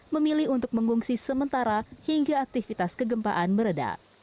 memilih untuk mengungsi sementara hingga aktivitas kegempaan meredah